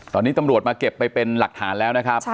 ตอนนี้ตำรวจมาเก็บไปเป็นหลักฐานแล้วนะครับ